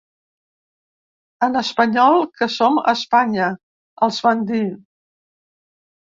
“En espanyol, que som a Espanya”, els van dir.